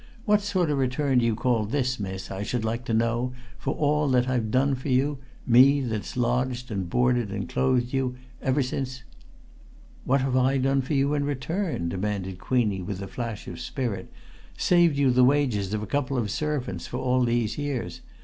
What sort o' return do you call this, miss, I should like to know, for all that I've done for you? me that's lodged and boarded and clothed you, ever since " "What have I done for you in return?" demanded Queenie with a flash of spirit. "Saved you the wages of a couple of servants for all these years!